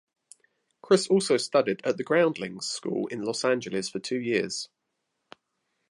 Chris also studied at the Groundlings school in Los Angeles for two years.